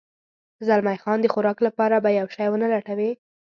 زلمی خان د خوراک لپاره به یو شی و نه لټوې؟